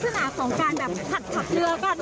หรือมีลักษณะของการแบบขัดขับเรือกัน